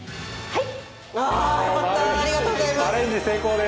はい。